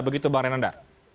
begitu bang renanda